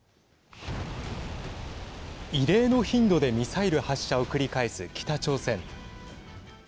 異例の頻度でミサイル発射を繰り返す北朝鮮。